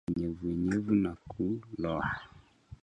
Hali ya unyevuvyevu na kuloa